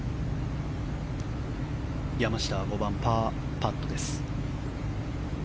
山下は５番、パーパットです。